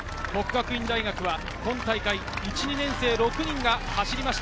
國學院大學は今大会１・２年生６人が走りました。